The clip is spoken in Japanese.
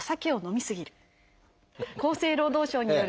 厚生労働省による。